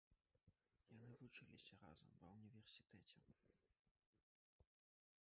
Яны вучыліся разам ва ўніверсітэце.